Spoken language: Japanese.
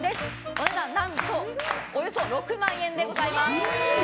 お値段何とおよそ６万円でございます。